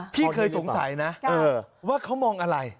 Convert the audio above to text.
พี่เคยสงสัยนะว่าเขามองอะไร